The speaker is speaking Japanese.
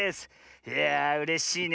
いやあうれしいね。